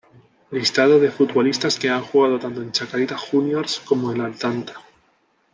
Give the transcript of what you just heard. Listado de futbolistas que han jugado tanto en Chacarita Juniors como en Atlanta.